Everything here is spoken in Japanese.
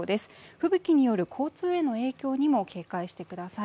吹雪による交通への影響も警戒してください。